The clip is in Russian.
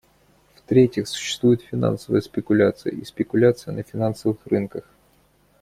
В-третьих, существует финансовая спекуляция и спекуляция на финансовых рынках.